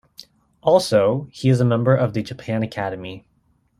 Also, He is a Member of the Japan Academy.